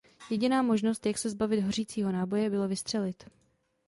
Jediná možnost jak se zbavit hořícího náboje bylo vystřelit.